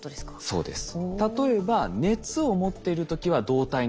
そうです。